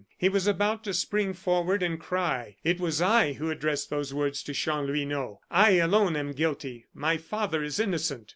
He was about to spring forward and cry: "It was I who addressed those words to Chanlouineau. I alone am guilty; my father is innocent!"